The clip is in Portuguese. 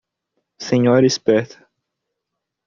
Senhora esperta